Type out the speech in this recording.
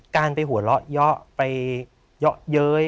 การไปหัวเราะเยาะไปเยาะเย้ย